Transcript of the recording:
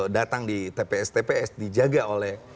datang di tps tps dijaga oleh